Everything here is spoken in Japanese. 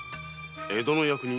江戸の役人？